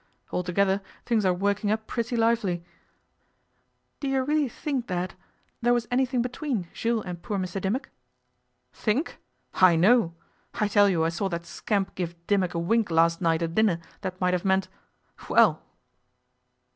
Altogether, things are working up pretty lively.' 'Do you really think, Dad, there was anything between Jules and poor Mr Dimmock?' 'Think! I know! I tell you I saw that scamp give Dimmock a wink last night at dinner that might have meant well!